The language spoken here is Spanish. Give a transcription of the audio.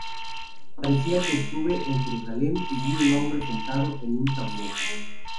Parecía que estuve en Jerusalem y vi un hombre sentado en un taburete.